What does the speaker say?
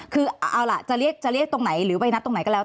คือเอาล่ะจะเรียกตรงไหนหรือไปนัดตรงไหนก็แล้ว